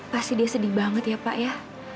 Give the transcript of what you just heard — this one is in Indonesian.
pasti dia sedih banget ya pak ya